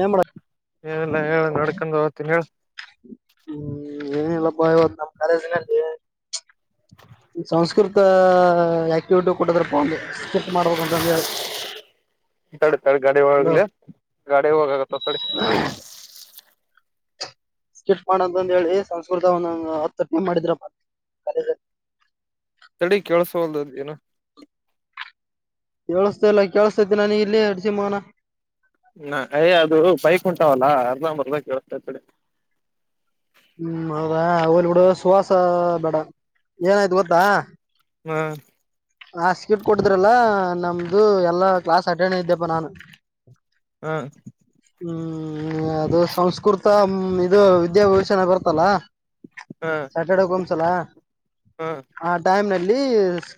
ಏನ್ ಮಾಡ? [inaudible] ಏನೆಲ್ಲಾ ಹೇಳು, ನಡೆದುಕೊಂಡು, ತಿನಾಶು.. [inaudible] ಹ್ಮ್, ಏನ್ ಇಲ್ಲಪ್ಪ ನಮ್ ಕಾಲೇಜಲ್ಲಿ? [inaudible] ಸಂಸ್ಕೃತ, ಆಕ್ಟಿವಿಟಿ, ಕೊಟ್ಟದ್ರಪ್ಪ! ಒಂದು ಸ್ಕಿಪ್, ಮಾಡ್ಬೇಕಂತ, ಹೇಳಿ? [inaudible] ತಡಿ, ತಡಿ ಗಾಡಿ ಹೋಗಲಿ, ಇಲ್ಲಿ, ಗಾಡಿ ಹೋಗಾಗತ್ತ, ತಡಿ. [inaudible] ಹ್ಮ.. [unintelligible] ಸ್ಕಿಫ್ಟ್, ಮಾಡಂತಂತ, ಹೇಳಿ? ಸಂಸ್ಕೃತ, ಒ ಹತ್ತಟ್ಟ, ಮಾಡಿದ್ರಪ್ಪ. [unintelligible] ತಡಿ, ಕೆೇಳಸೋವಲ್ದ! ಏನ? [inaudible] ಕೇಳಿಸಸ್ತ, ಇಲ್ಲ ಕೇಳಿಸತೈದ, ಇಲ್ಲಿ, ಇರ್ತಿ, ಮಗನ? [inaudible] ಹೇ, ಅದು ಬೈಕ್ಂಟಾವಲ್ಲಾ! ಅರ್ಧಂಬರ್ಧ ಕೇಳಿಸ್ತೈತೆ ತಡಿ? [inaudible] ಹ್ಮ್, ಹೌದಾ! ಹೋಗ್ಲಿ ಬಿಡು ಸುವಾಸ, ಬೇಡ, ಏನಾಯ್ತು ಗೊತ್ತಾ? [inaudible] ಹ್ಮ. [inaudible] ಹ, ಶೀಟ್ ಕೊಟ್ಟಿದ್ರಲ್ಲ! ನಮ್ದು, ಎಲ್ಲ ಕ್ಲಾಸ್ ಅಟೆಂಡ್, ಇದ್ದೆಪ ನಾನು! [inaudible] [unintelligible] [inaudible] ಹೂ. [inaudible] ಹ್ಮ್, ಅದು ಸಂಸ್ಕೃತ! ಇದು ವಿದ್ಯಾಭೂಷಣ ಬರುತ್ತಲ್ಲ? ಹಾ [inaudible] ಸಾಟರ್ಡೆ, ಒಂದ್ಸಲ! ಹಾ ಆ ಟೈಮಲ್ಲಿ? [inaudible]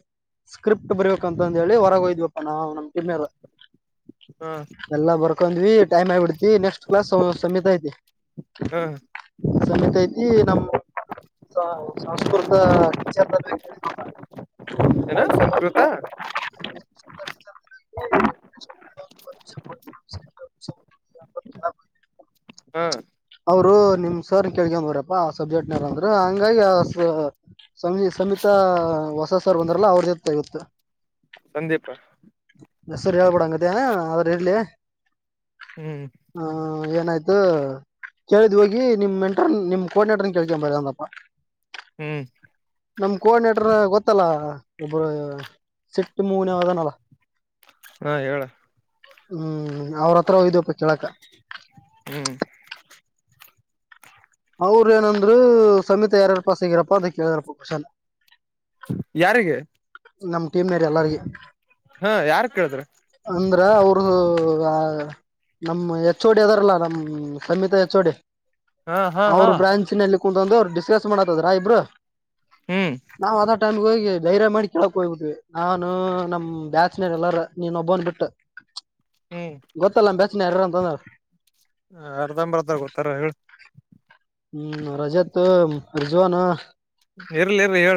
ಸ್ಕ್ರಿಪ್ಟ್, ಬರಿಬೇಕು! ಅಂತ, ಹೇಳಿ! ಹೊರ, ಹೋಗಿದೆವಪ್ಪ! ನಾವು ಕ್ಲೀನರ್? [inaudible] ಹಾ. [inaudible] ಎಲ್ಲಾ ಬರ್ಕೊಂಡ್ವಿ! ಟೈಮ್ ಆಗಿ ಬಿಡ್ತಿ, ನೆಕ್ಸ್ಟ್ ಕ್ಲಾಸ್, ಸಮಿತಿ ಆಯ್ತಿ? ಹಾ [inaudible] ಸಮಿತಿ ಆಯ್ತಿ, ನಮ್ಮ, ಸಂಸ್ಕೃತ ಟೀಚರ್! [unintelligible] ಏನು, ಸಂಸ್ಕೃತ? [unintelligible] [inaudible] [unintelligible] [inaudible] [unintelligible] ಹೂ. [inaudible] ಅವರು, ನಿಮ್ಮ ಸರ್ ಕೇಳ್ಕೊಂಡ್ ಬರಪ್ಪಾ! ಆ ಸಬ್ಜೆಕ್ಟ್ನಾರ, ಅಂದ್ರರು, ಹೀಗಾಗಿ, ಆ? [inaudible] ಸಮಿ, ಸಮಿತ, ಹೊಸ ಸರ್ ಬಂದಾರಲ್ಲ! ಅವ್ರ್ ಜೊತೆ ಹೋಗ್ತಿಯ? ಸಂದೀಪ [inaudible] ಹೆಸರು, ಹೇಳ್ಬೇಡ, ಹಗಿದ್ದೀಯಾ, ಅವರು, ಇರಲಿ.. [inaudible] ಹ್ಮ್. [inaudible] ಹೂ, ಏನಾಯ್ತು! ಕೇಳಿದು, ಹೋಗಿ? [inaudible] ನಿಮ್ಮ, ಮೆಂಟಲ್! ನಿಮ್ಮ ಕೋರ್ಟ್ನೇಟರ್ ಕೇಳ್ಕೊಂಡು, ಭರಮಪ್ಪ? [inaudible] ಹ್ಮ್. [inaudible] ನಮ್, ಕೋಆಡಿನೇಟರ್ ಗೊತ್ತಲ್ಲ! ಇಬ್ಬ್ರು? [inaudible] ಸ್ವಿಫ್ಟ್, ಮೂರು, ಏನು ಅದಾ? [inaudible] ಹಾ ಹೇಳ ಹ್ಮ್, ಅವರತ್ರ ಹೋಗಿದ್ದೀಯಪ್ಪ ಕೇಳಕ್ಕ? [inaudible] ಹ್ಮ್. [inaudible] ಅವ್ರ, ಏನಂದ್ರು ಸಮೀತಿ, ಯಾರ್ಯಾರು, ಪಾಸ್ ಆಗಿರಿ ಅಂತ ಕೇಳಿದ್ರಪ್ಪ ಕೋಶನ್? [inaudible] ಯಾರಿಗೆ? [inaudible] ನಮ್, ಟೀಮಲಿ, ಇರೋ, ಎಲ್ಲರಿಗೆ? [inaudible] ಹಾ ಯಾರು ಕೇಳಿದ್ರು ಅಂದ್ರ ಅವರು ನಮ್ಮ ಹೆಚ್ಚುಡಿ ಅದಾರಲ್ಲ ನಮ್ಮ ಸಮೀತ ಹೆಚ್ಚು ಡಿ ಹಾ ಹಾ ಹಾ ಓರ್ ಬ್ರಾಂಚ್ ಅಲ್ಲಿ ಕುತ್ಕೊಂಡು ಡಿಸ್ಕಷನ್ ಮಾಡತಿದ್ರು ಅವರಿಬ್ರೂ ಹ್ಮ್ ನಾವು ಅದ ಟೈಮಿಗ್ ಹೋಗಿ ಧೈರ್ಯ ಮಾಡಿ ಕೇಳಾಕ ಹೋಗ್ಬಿಟ್ಟೀವಿ ನಾನು ನಮ್ ಬ್ಯಾಚುಲರ್ ಎಲ್ಲರೂ ನಿನ್ನ ಒಬ್ಬವನು ಬಿಟ್ ಹ್ಮ್ ಅರ್ಧಂಬರ್ಧ ಗೊತ್ತು ಹೇಳ ಹ್ಮ್ ರಜತ್ ರಿಜ್ವಾನ್ ಇರ್ಲಿ ಇರ್ಲಿ ಹೇಳ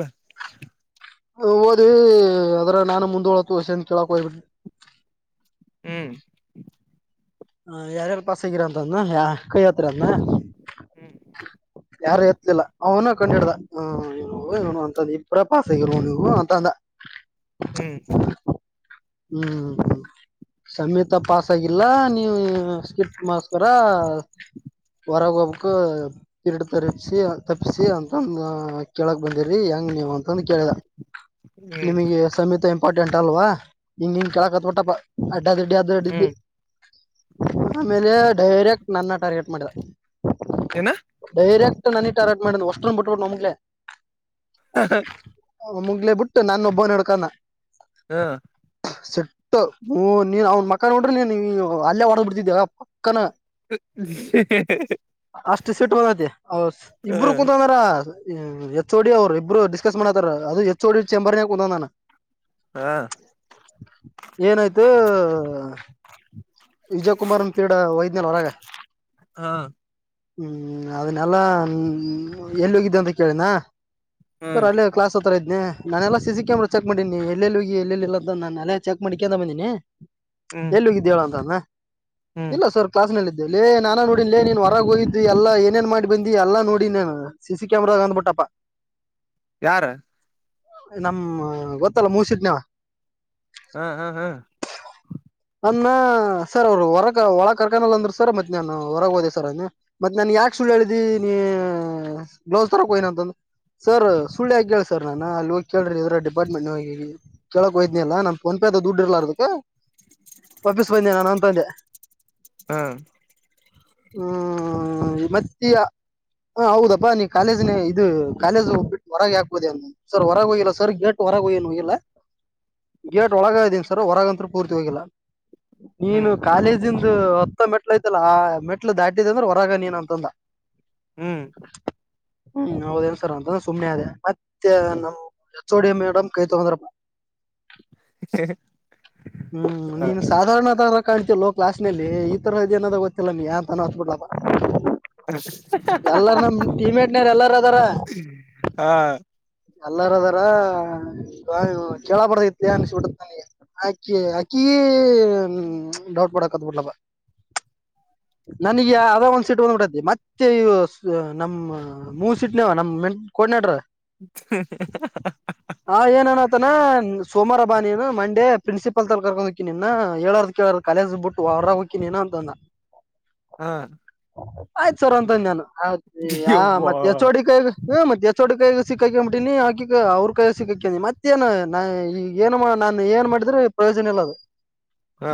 ಓದಿ ಅದ್ರ ನಾನು ಮುಂದೋಳತುಷಂತ ಕೇಳಕ್ ಹೋಗ್ಬಿಡ್ರಿ [unintelligible] ಹ್ಮ್ ಹ ಯಾರ್ಯಾರ್ ಪಾಸಾಗಿರಿ ಅಂತ ಅಂದ ಕೈ ಯತ್ರಿ ಅಂದ ಯಾರು ಎತ್ಲಿಲ್ಲ ಅವನ ಕಣ್ಣಿ ಹಿಡಿದಾ ಹಾ ಏನು ಅಂತಂದ ಇಬ್ ಪ್ರ ಪಾಸಗಲ್ ನೀವು ಅಂತಂದ [unintelligible] ಹ್ಮ್ ಹ್ಮ್ ಹ್ಮ್ ಸಮೇತ ಪಾಸ್ ಆಗಿಲ್ಲ ನೀವು ಸ್ಕಿಪ್ ಮಾಸ್ಟರ್ ರ್ಹೊರಗ್ ಹೋಗ್ಬೇಕು ಕರಡು ತರಪಸಿ ತಪ್ಪಸಿ ಅಂತಂದು ಕೇಳಕ್ ಬಂದಿ್ರಿ ಹೆಂಗ ನೀವ ಅಂತಂದು ಕೇಳಿದ [unintelligible] ಹ್ಮ್ ನಿಮಗೆ ಸಮೀತ ಇಂಪಾರ್ಟೆಂಟ್ ಅಲ್ವಾ ಇಂಗ್ ಹಿಂಗ ಇಂಗ್ ಕೆಲ ಕತ್ ಬಿಟ್ಟಪ್ಪ ಆದ್ದಾಡಿದ್ದಿ ಹ್ಮ್ ಆಮೇಲೆ ಡೈರೆಕ್ಟ್ ನನ್ನ ಟಾರ್ಗೆಟ್ ಮಾಡಿದ ಏನಾ ಡೈರೆಕ್ಟ್ ನನ ಟಾರ್ಗಟ್ ಮಾಡ ಅಷ್ಟನ್ ಬಿಟ್ಬಿಟ್ಟು ನಮಗ್ಲೆ ಮುಗ್್ಲೆ ಬಿಟ್ಟು ನಾನು ಒಬ್ಬನ್ ಹಡ್ಕಾನ ಹಾ ಸಟ್ಟು ಹ ನೀನ್ ಅವನ್ ಮಕ ನೋಡ್ರಿ ನೀನ್ ಅಲ್ಲೇ ಹೊಡ ಬಿಡ್ತಿದ್ದೆವ ಪಕ್ಕನ ಅಷ್ಟು ಸಟ್ ಬಂದೈತಿ ಇಬರು ಹಾ ಕುೂಂತ ಅಂದಾರ ಎಚ್ ಓಡಿ ಅವರು ಇಬ್ಬರು ಡಿಸಕಸ್ ಮಾಡತಾರ ಅದು ಎಚ್ ಡಿ ಚೇಂಬರ್ನ ಕುೂುದ್ನ ಹಾ ಏನಾಯ್ತು ವಿಜಯ ಕುಮಾರ್ ಅನ್ ಪೀಡ ವೈದ್ಞನ್ ಹೊರಗ ಹಾ ಹ್ಮ್ ಅದನ್ನಲ್ಲಾ ಎಲ್ಲಿ ಹೋಗಿದ್ದ ಅಂತ ಕೇಳಿನ ಸರ್ ಅಲ್ಲೇ ಕ್ಲಾಸ್ ಹತ್ತರ ಇದನನೆ ನಾನೆಲ್ಲಾ ಸಿ ಕ್ಯಾಮರಾ ಚೆಕ್ ಮಾಡೀನಿ ಎಲ್ಲೆಲ್ಲಿ ಹೋಗಿ ಎಲ್ಲೆಲ್ಲಿ ಇಲ್ಲ ಅಂತ ನಾನ [unintelligible] ಎಲ್ಲಾ ಚೆಕ್ ಮಾಡಿಕೊಂಡ ಬಂದೀನಿ ಹ್ಮ್ ೋಗ ಅಂತ ಹ್ಮ್ ಇಲ್ಲ ಸ್ವಲ್ಪ [unintelligible] ಕ್ಲಾಸ್ ನಲ್ಲಿದ್ದೆ ೇ ನಾನಾ ನೋಡನ್ ಲೇ ನೀನ್ ಹೊರಗೆ ಹಯ್್ದು ಎಲ್ಲ ಏನೇನ್ ಮಾಡಿ ಬಂದಿ ಎಲ್ಲ ನೋಡಿ ನನ್ ಸಿ ಸಿ ಕ್ಯಾಮರ ಅಂದ್ಬಟ್ಟಪ್ಪ ಯಾರ ನಮ್ಮ್ ಗೊತ್ತಲ್ಲ ಮೂಸಿಟ್ನವ ಹ್ಮ್ ಹಾ ಹ್ಮ್ ಅನ್ನ ಸರ್ ಅವರು ಹೊರಗ ಒಳ ಕಾರ್ಕಾನಲ್ಲ ಅಂದ್ರು ಸರ್ ಮತ್ತೆ ನಾನನ್ ಹೊರಗೆ ಹೋದೆ ಸರ್ ಅನ್ನ ಮತ್ತ್ ನನ್ ಯಾಕ ಸುಳ್ಳು ಹೇಳ್ದಿ ನೀ ಗ್ಲೌಸ್ ತರ ಹೋಯನ ಅಂತಂದ್ರ ಸರ್ ಸುಳ್ಳಿ ಆಗ ಹೇಳೇಳ ಸರ್ ನಾನ ಅಲ್ಲಿ ಕೇಳ್ರಿ ಇದ್ರ ಡಿಪಾರ್ಟ್ಮೆಂಟ್ ಹ ಕಳೋಕ್ೋಯದನ ಅಲ್ಲ ನಮ ಫೋನ್ಪೇ ಅ ದುಡ್ಡಿರ್ಲ್ಲಾರ ಅದಕ್ಕೆ ವಾಪಸ್ ಬಂದೆ ನಾನು ಅಂತಂದೆ ಹಾ ಹ್ಮ್ ಮತ್ತ ಹ ಹೌದಪ್ಪಾ ನೀ ಕಾಲೇಜ್ನೆ ಇ ಕಾಲೇಜುೋಗ್ಬ ಬಿಟ್ಟುರಗೆ ಹಾಕ್ಬುದದೆ ಅ ಸರ್ ಹೊರಗೆ ಹಯಲ್ಲ ಸರ್ ಗೆಟ್ ಹೊರಗ ಹಯ್ಯಏನು ಇಲ್ಲ ಗೇಟ್ ಒಳಗ್ದೀನ್ ಸರ್ ಹೊರಗಂತ್ೂ ಪೂರ್ತಿ ಹೋಗಿಲ್ಲ ನೀನು ಹ್ಮ್ ಕಾಲೇಜಿಂದ ಇದು ಹತ್ತ ಮೆಟ್ಲು ಐತಲ್ಲ ಆ ಮೆಟ್ಲು ದಾಟಿದೆ ಅಂದ್ರೆ ಹೊರಗ ನೀನ್ ಅಂತಂದ ಹ್ಮ್ ಹ್ಮ್ ಹೌದೇನ್ ಸರ್ ಅಂತ ಸುಮ್ನೆ ಅದೇ ಮತ್ತೆ ನಮ್ ಎಚ್ಚೋಡಿ ಮೇಡಮ ಕೈ ತೊಗಂದರಪ ಹ ಹ್ಮ್ ನೀನ್ ಸಾಧಾರಣ ತರ ಕಾಣ್ತಿಯಲ್ಲೋ ಕ್ಲಾಸ್ ನಲ್ಲಿ ಈ ತರ ಅಡಿಯನ್ನದು ಗೊತ್ತಿಲ್ಲ ನೀ ಅಂತ ಅನಬಿಡ್ಲಪ ಎಲ್ಲಾರ್ ನಮ ಟೀಮೇಟ್ನಾರ ಎಲ್ಲಾರ ಅದಾರ ಎಲ್ಲಾರ ಅದಾರ ಕೇಳಬಾರ್ದ್ಗಿತ್ತು ಅನ್ಸ್ಬಿಟ್ಟತ್ ನನಗೆ ಆಕಿ ಆಕಿ ಡೌಟ್ ಪದಕ್ಕಟ್ಟಿಬಿಟ್ಲಪ ನನಗೆ ಅದ ಒಂದ್ ಸೀಟ್ ಬಂದ್ಬಿಟ್ಟೈತಿತಿ ಮತ್ತೆ ನಮ್ಮ ಮೂಸ್ ಸಿಟ್ನವ ನಮ್ ಕೂರ್ದಿನೇಟರ್ ಹ ಹ ಏನ್ ಅನತನ ಸೋಮಾರಬ್ಬಾ ನೀನು ಮಂಡೆ ಪ್ರಿನ್ಸಿಪಾಲ್ ತರ್ ಹಕಿನಿನ್ನ ಹೇಳಾರ್ ಕೇಳಾರ ಕಾಲೇಜ್ ಬಿಟ್ಟು ಹೊರಾಗ ಹೊಕ್ಕಿಯೆನ್ ಅಂತಂದ ಹಾ ಆಯ್ತ ಸರ್ ಅಂತ ನಾನು ಯವ್ವಾ ಮತ್ತೆ ಎಚೋಡಿ ಕೈಯಗ ಹ ಮತ್ತೆ ಎಸೋಡ್ ಕಾಯಿಗ ಸಿಕ್ಕಾಕ ಬಿಟ್ಟಿನೀ ಆಕಿ ಅವ್ರ ಕಾಯಗ್ ಸಿಕ್ಕಾಕೇಂಡಿನಿ ಮತ್ತೇ ಏನ ನಾ ನಿ ನಾನು ಏನ್ ಮಾಡಿದ್ರೆ ಪ್ರಯೋಜನ ಇಲ್ಲ ಅಲ್ಲಿ ಹಾ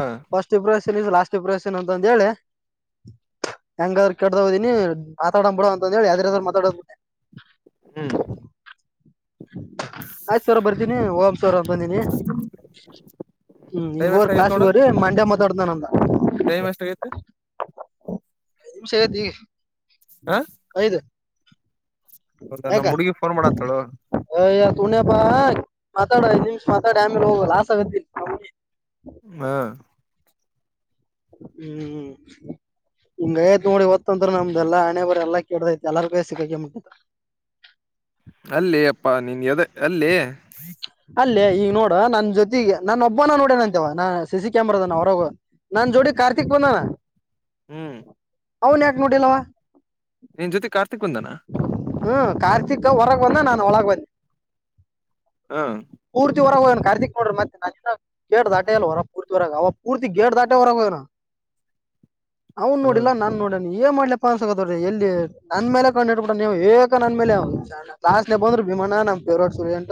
ಟಪ್ರೈಷನ್ ಇಸ್ ಲಾಸ್ಟ್ ಎಪ್ರೇಷನ್ ಅಂತ ಹೇಳಿ ಹೆಂಗಾದ್ರರು ಕೆಡ್ಹೋಗದೀನಿ ಮಾತಾಡೋ ಬಿಡುವ ಅಂತ ಹೇಳಿ ಅರರು ಮಾತಾಡೆ ಹ್ಮ್ ಆಯ್ತು ಸರ ಬರ್ತೀನಿ ಹೋಗಮ್ ಬಂದೀನಿ ಹ್ಮ್ ಈಗ ಟೈಮ್ ಎಷ್ಟ ಹೋರಿ ಆಗೈತ್ ಕ್ಲಾಸ್ಗೆ ನೋಡು ಹೋರಿ ಮಂಡೆ ಮಾತಾಡ್ದಾನಂದ ಟೈಮ್ ಎಷ್ಟಾಗೈತಿ ನಿಮಿಶ್ ಆಗೈತಿ ಹಾ ಐದು ಯಾಕ ನಮ್ ಹುಡುಗಿ ಫೋನ್ ಮಾಡತ್ತಳು ಅಯ್ ಯ ತುನಪ್ಪ ಮಾತಾಡ ಐದು ನಿಮಿಷ ಮಾತಾಡಿ ಆಮೇಲೆ ಹೋಗ ಲಾಸಗದಿನಿ ಹ್ಮ ಹ್ಮ್ ಹಂಗಯ್ತ್ ನೋಡು ಇವತ್ತದ್ರು ನಮ್ದ ಎಲ್ಲ ಹಣೆ ಬರ ಎಲ್ಲ ಕೆಡ್ದೈತೆ ಎರ್ಗರ್ ಕೈಯಾಗ್ ಸಿಕ್ಕಕಂಡ್ ಬಿಟ್ಟೀನಿ ಅಲ್ಲೇ ಅಪ್ಪಾ ನೀನ್ ಎದಕ್ ಅಲ್ಲೇ ಅಲ್ಲೇ ಈಗ ನೋಡ ನನ್ ಜೊತೆಗೆ ನನ್ನೊಬನ್ನೆ ನೋಡ್ಯಾನತವ ಸ ಸಿ ಕ್ಯಾಮರಾದನ ಹೊರಾಗ ನಾ ಜೋಡಿ ಕಾರ್ತಿಕ್ ಬಂದಾನ ಹ್ಮ್ ಅವನ್ ಯಾಕ ನೋಡಿಲ್ಲವ ನಿನ್ ಜೊತೆ ಕಾರ್ತಿಕ್ ಬಂದನಾ ಹ್ಮ್ ಕಾರ್ತಿಕ್ ಹೊರಗ ಬಂದ ನಾನ್ ಒಳಗ ಹೋದ್ಯನಾ ಹ್ಮ ಪೂರ್ತಿ ವರಗ್ ಹಿಗ್ಯಾನ್ ಕಾರ್ತಿಕ್ ನೋಡಿರೆ ಮತ್ತೆ ಗೇಟ್ ದಾಟ ಅಲ್ ಹೊರ ಪೂರ್ತಿವರಗೆ ಅವ ಪೂರ್ತಿ ಗೇಟ್ ದಾಟೆ ಹೊರಾಹೋಗ್ಯಾನ ಅವನ್ ನೋಡಿಲ್ಲಾ ನಾನ್ ನೋಡಣ ಏನ್ ಮಾಡ್ಲಪ್ ನ್ಸ್ಗತ್ರಿ ಎಲ್ಲಿ ನನ್ಲೆಮೇ ಕಣ್ಣಿಟ್ತ್ಬುಟ್ಟನ ಏಕ ನನ್ ಮೇಲೆ ಕ್ಲಾಸ್ ಅಗ ಬಂದ್ರ ಭಮಾನ ನಮ್ ಫೇವ್ರೇಟ್ ಸ್ಟೂಡೆಂಟ್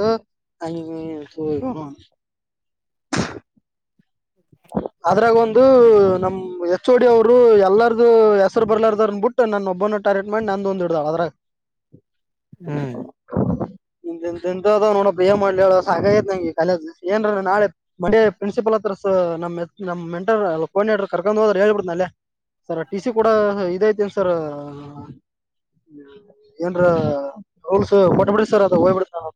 ಅಂಗ [unintelligible] ಅದ್ರಾಗ ಒಂದು ನಮ ಎಚ್ ಓಡಿ ಅವರು ಎಲ್ಲರದು ಅದು ಹೆಸರು ಬರ್ಲಾರದನ್ ಬಿಟ್ಟು ನನ್ನ ಒಬ್ಬನ್ನ ಟಾರ್ಗೆಟ್ ಮಾಡಿ ನಂದ ಒಂದ್ಡ್ದಾಳ ಅದ್ರಗ ಹ್ಮ್ ಹ ಇಂತ ಅದ್ ನೋಡ ಏನ್ ಮಾಡ್ಲಿ ಹೇಳ್ ಸಾಕಾಗೈತಿ ನಂಗ್ ಇ ಕಾಲೇಜು ಮಂಡೆ ಪ್ರಿನ್ಸಿಪಾಲ್ ಹತ್ರ ಸ ನಮ್ಮ ನಮ್ಮ ಮೆಂಟರ್ ಅಲ್ಲ ಕೋರ್ಡಿನೇಟರ್ ಕರ್ಕೊಂಡ್ ಹೋದ್ರ ಹೇಳ್ಬಿಡ್ತನ್ ಅಲ್ಲೇ ಸರ್ ಟಿ ಸಿ ಕೊಡ ಇದಐತಿನ್ ಸರ್ ಏನ್ರ ರೂಲ್ಸ್ ಕೋಟ್ ಬಿಡ್ರಿ ಸರ್ ಅದ ಹೋಗ್ಬಿಡ್ತ ನಾನು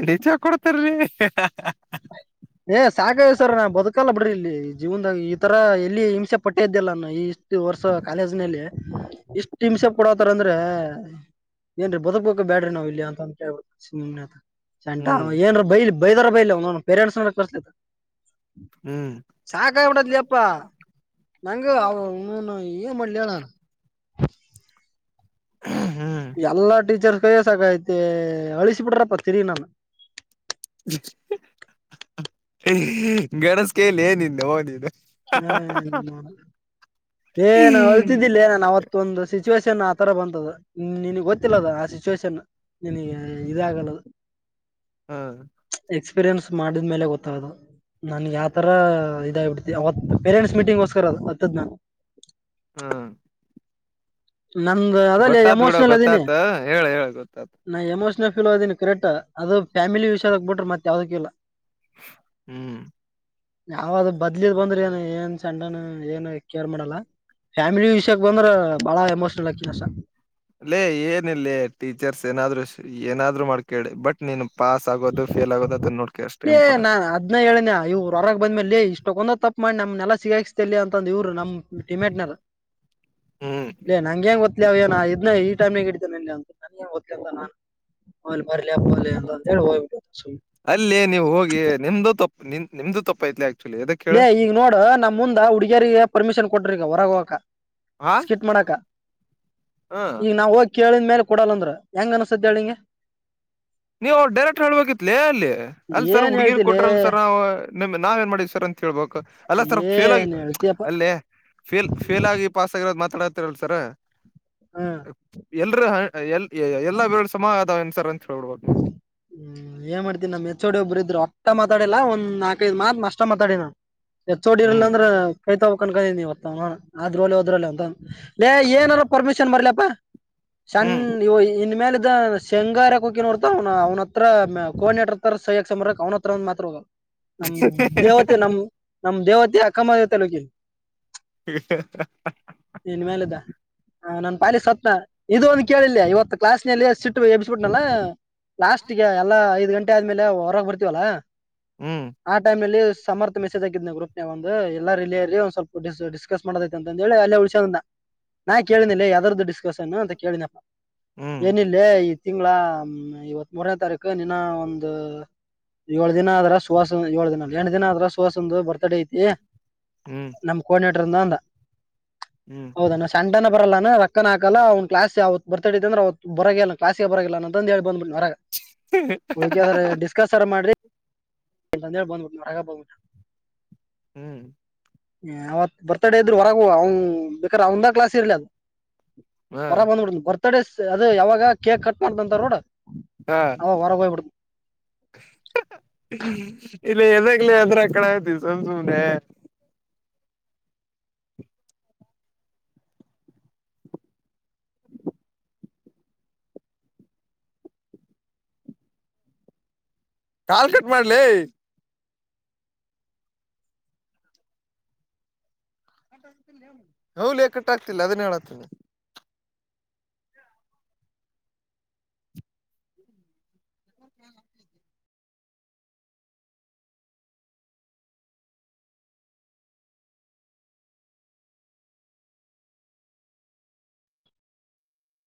ಇಲ್ಲಿ ಚಾ ಕೊಡುತ್ತಾರೆ ಏನ್ ಸಾಕ ಎಚ್ ಸರ್ ಎಲ್ಲಿ ನಾನು ಬದುಕಲ್ಲ ಸಾರ್ ಇಲ್ಲಿ ವಿಷ ಪಟ್ಟಿಲ್ಲ ಇಷ್ಟು ವರ್ಷ ಕಾಲೇಜು ಇಷ್ಟ್ ಹಿಂಸೆ ಕೊಡೋದಂದ್ರೆ ಏನ್ರಿ ಬದುಕ್ ಬೇಕಾ ಆಡ್ರಿ ನಾವಿಲ್ಲಿ ಏನಂತ ಅಂತ ಹೇಳ್ಬಿಡಿ ಸೊಂಟ ಹ್ಮ್ ಅವ್ವ ಏನಾದ್ರು ಬೈದರಬೈಲಿ ಪೇರೆಂಟ್ಸ್ ಮಾತೃ ಕರಸ್ಲಿ ಹ್ಮ್ ನಂಗ ಅವನು ಏನ್ ಮಾಡ್ಲಿ ಹೇಳು ಹ್ಮ್ ಎಲ್ಲಾ ಟೀಚರ್ ಕೈಯ ಸಾಕಐತಿ ಅಳಿಸಿ ಬಿಟ್ರಪ್ಪ ತೆರಿಗೆ ನಾನು ಗೆಣಸ್ಕೇಲಿ ನಿನ್ನವ್ವ ನ್ನಿನ್ನ ಹ್ಮ ಏ ನಾನಾಳ್ತಿದ್ದಿಲ್ಲದೇ ನಾವಂತೂ ಮತ್ತೊಂದು ಸಿಚುವೇಶನ್ ಆತರ ಬಂತು ನಿನಗ್ ಗೊತ್ತಿಲ್ಲದ ಆ ಸಿಚುವೇಷನ್ ನಿನಗೆ ಇದು ಆಗಲ್ಲ ಹ್ಮ್ ಎಕ್ಸ್ಪೀರಿಯನ್ಸ್ ಮಾಡಿದ್ಮೇಲೆ ಗೊತ್ತಾಗೋದು ನನಗೆ ಆತರ ಇದಾಗಿ ಬಿಟ್ಟಿದೆ ಅವತ್ತು ಪೇರೆಂಟ್ಸ್ ಮೀಟಿಂಗ್ ಗೋಸ್ಕರ ಅತ್ತಿದ್ ನಾನು ಹ್ಮ್ ನಂದು ಅದಲಿ ಗೊತ್ತಾತ್ ಬಿಡ ಎಮೋಷನಲ್ ಅದಿನಿ ಗೊತ್ತಾತ ಹೇಳ ಹೇಳ ಗೊತ್ತಾತ ನಾ ಎಮೋಷನಲ್ ಫಿಲಂ ಅದೇನಿ ಕರೆಕ್ಟು ಅದು ಫ್ಯಾಮಿಲಿ ವಿಸ್ತಾರ ಬಿಟ್ಟರೆ ಮತ್ತೆ ಯಾವುದಕ್ಕೂ ಇಲ್ಲ ಹ್ಮ್ ಯಾರಾದ್ರೂ ಬರ್ಲಿದು ಬಂದರೆ ನಾನು ಸೆಂಟರ್ ಕೇರ್ ಮಾಡಲ್ಲ ಫ್ಯಾಮಿಲಿ ವಿಶು ಬಂದರೆ ಬಹಳ ಎಮೋಷನಲ್ ಹಕ್ಕಿನೇಅಷ್ಟೇ ಲೇ ಏನಿಲ್ಲ ಟೀಚರ್ ಏನಾದ್ರೂ ಮಾಡ್ಕೊಳ್ಳಿ ಬಟ್ ನೀನು ಪಾಸ್ ಆಗದು ಫೇಲ್ ಆಗೋದು ಅಷ್ಟೇ ನೋಡ್ಕೋ ಏ ನಾ ಅದ್ನ ಏನನೆ ಇವ್ ಹೊರಗ ಬಂದ್ಮೇಲೆ ಇಷ್ಟೊಕ್ಕೊಂದ್ ತಪ್ಪ ಮಾಡಿ ನಮ್ಮನೆಲ್ಲ ಸಿಗಲಿ ಅಂತ ಮತ್ ಇವರು ನಮ್ ಡಿಮ್ಯಾಟ್ ಮೇಲೆ ಹ್ಮ್ ಲ ನನಗೇನು ಗೊತ್ತಿಲ್ಲ ಈ ಟೈಮಲ್ಲಿ ಇಡಿಚಿ ನಂತರ ನನ ಗ ಅಂತ ನಾನನ್ ಆ ಬರ್ಲಿ ಅಪ್ಪ ಅಂತ ಅಂತ ಹೇಳಿ ಹೋಗ್ಬಿಟ್ಟು ಅಲ್ಲೇ ನೀವು ಹೋಗಿ ನಿಂದು ತಪ್ಪೇ ಲ ಈಗ ನೋಡು ನಮ್ಮ ಮುಂದೆ ಹುಡುಗಿಯರಿಗೆ ಪರ್ಮಿಷನ್ ಕೊಟ್ರು ಹೊರಗೆ ಹೋಗಕ್ಕ ಹಾ ಸ್ಕಿಟ್ ಮಾಡಾಕ ಹ ಈಗ ನಾವ ಹೋಗ ಕೇಳಿದ ಮೇಲೆ ಕೊಡಲ್ಲ ಅಂದ್ರ ಹೆಂಗ ಅನ್ಸತ್ತೆ ನನಗೆ ನೀವು ಹೋಗಿ ಡೈರೆಕ್ಟ್ ಹೇಳಬೇಕಿತ್ತು, ಆನ್ಸರ್ ಏನ್ ಹೇಳ್ತಿ ಹುಡುಗಿಯರಿಗೆ ಲೇ ಕೊಟ್ಟಿರಿ ನಮ ನಾವ ಏನ್ ಮಾಡೀವಿ ಸರ್ ಅಂತ ಕೇಳ್ಬೇಕು ಅಲ್ಲ ತರ ಫೇಲ್ ಆಗಿ ಏನ್ ಹೇಳ್ತಿಯಪ್ಪಾ ಅಲ್ಲೇ ಫೇಲ್ ಫೇಲ್ ಆಗಿ ಪಾಸ್ಗಿರೋದು ಮಾತಡತಿರಲ್ಲ ಸರ ಹಾ ಎಲ್ಲ ಬೆರಳು ಸಮಾಧಾನವಂತ ಸರ್ಹೇಳ್ಬೇಕು ಹ್ಮ್ ಏನ್ ಮಾಡ್ತೀನಿ ನಮ್ಮ್ ಹೆಚ್ಚೋಡಿ ಒಬ್ಬರು ಇದ್ರು ಅಷ್ಟ ಮಾತಡಲ್ಲ ಒಂದ್ ನಾಕೈದು ಮಾತ್ ನಷ್ಟ ಮಾತಾಡ ನ ಹೆಚ್ಚೋಡಿ ಇರಲ್ಲ ಹ್ಮ್ ಅಂದ್ರೆ ಕೈತಾ ಕನ್ಕೀನಿವತ್ತ ಆದ್ರ ಒಲೆ ಹೋದ್ರಲ್ಲ ಅಂತ ಲೇ ಏನಾರ ಪರ್ಮಿಷನ್ ಬರ್ಲಪ್ಪಾ ಹ್ಮ್ ಸಣ್ಣ ಇನ್ಮೇಲೆ ಇದ ಶೇಂಗಾರ ಕು ನೋಡ್ತ ಅವ್ ಅವ್ನತ್ರ ಕೋಡಿನ ಹತ್ರ ಶೈನ್ ಆಕ್ಷನ್ ಬರಕ್ಕೆ ಅವನತ್ರ ಒ ಮಾತ್ರ ಹೋಗ ನಮ್ ದೇವತೆ ನಮ ನಮ್ ದೇವತೆ ಅ ಕಮದ ತಾಲೂಕ [inaudible] [unintelligible] ಇನ್ಮೇಲಿಂದ ಹ ನನ್ ಪಾಯಿಲಿ ಸತ್ನ ಇದು ಒಂದು ಕೇಳಿಲ್ಲಯ ಇವತ್ತು ಕ್ಲಾಸ್ ನಲ್ಲಿ ಸಿಟ್ಟು ಎಬ್ಸ್ಬಿಟ್ಟನಲ್ಲ ಲಾಸ್ಟ್ಗೆ ಎಲ್ಲಾ ಐದ್ ಗಂಟೆ ಆದ್ಮೇಲೆ ಹೊರಗೆ ಬರ್ತೀವಲ್ಲ ಆ ಟೈಮ್ಲ್ಲಿ ಸಮರ್ ಎಲ್ಲರೂ ಇಲ್ಲೇ ರೀ ಸ್ವಲ್ಪ ಡಿಸ್ಕಸ್ ಮಾಡೇ ಅಂತ ಅಲ್ಲೇ ಉಳಿಸಿಕೊಂಡಿದ್ದ [inaudible] ನಾ ಕೇಳನಿ ಯದರದ್ದು ಡಿಸ್ಕಸನ್ ಅಂತ ಕೇಳಿನಪ್ಪ ಹ್ಮ್ ಏನಿಲ್ಲ ಈ ತಿಂಗಳ ಇವತ್ ಮೂರೆ ತಾರೀಕು ನಿನ ಒಂದು ಏಳ ದಿನ ಆದ್ರ ಸುವಾಸುಂದ್ ಏಳ ದಿನ ಎಂಟ್ ದಿನ ಆದ್ರ ಸುವಾ ಸುಂದು ಬರ್ತಡೆ ಇ ಏ ಹ್ಮ್ ಹ್ಮ್ ನಮ್ ಕೋಆಡಿನೇಟರ್ಂದ ಅಂದ ಹ್ಮ್ ಹೌದೆನ ತಂಡನೆ ಬರಲ್ಲೇನು ರಕ್ಕನ ಹಾಕಲ್ಲ ಅವ್ ಕ್ಲಾಸ್ ಅವತ್ ಬರ್ತಡೆ ಇತ್ತಂದ್ರ ಅವತ್ ಬರಗೆ ಇಲ್ಲ ಕ್ಲಸ್ಗೆ ಬರಲ್ಲ ಅಂದ್ ಹೇ [unintelligible] ಹೋರಾಗ್ ಹಾ ಹಾ [unintelligible] ಡಿಸ್ಕಸ್ ಅರ ಮಾಡ್ರಿ [unintelligible] ಹ್ಮ್ ಹ ಅವತ್ ಬರ್ತಡ ಇದ್ರ ಹೊರಗ ಅವ್ ಬೇಕರೆ ಅವನ್ದೆ ಕ್ಲಾಸ್ ಇರ್ಲಿ ಅದು. ಹಾ ಹೊರ ಬಂದ್ಬಡಿನ್ ಬರ್ತಡೇ ಅದು ಯಾವಾಗ ಕೇಕ್ ಕಟ್ ಮಾಡ್ದಂತಾರ ನೋಡು. ಹಾ ಲೇ ಎದಕ್ಲೆ ಎದ್ರಕಲಕತ್ತಿ ಸುಮ್ ಸುಮ್ಮೆ. ಕಾಲ್ ಕಟ್ ಮಾಡ್ಲೆ ಹು ಲೆ ಕಟ್ಟಾಗ್ತಿಲ್ಲ ಅದನ್ನ ಹೇಳತೀನಿ.